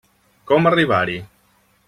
Com arribar-hi.